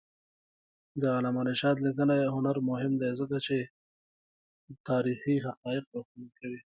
د علامه رشاد لیکنی هنر مهم دی ځکه چې تاریخي حقایق روښانه کوي.